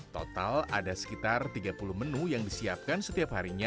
total ada sekitar tiga puluh menu yang disiapkan setiap harinya